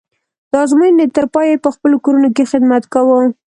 د ازموینې تر پایه یې په خپلو کورونو کې خدمت کوو.